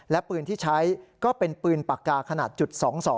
และปืนที่ใช้ก็เป็นปืนปากกาขนาดจุด๒๒